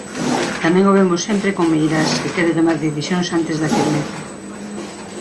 Tamén o vemos sempre con Meirás, que quere tomar decisións antes da firmeza.